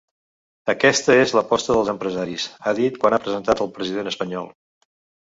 “Aquesta és l’aposta dels empresaris”, ha dit quan ha presentat el president espanyol.